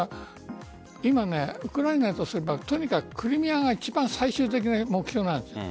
今、ウクライナとすればとにかくクリミアが最終的な目標なんです。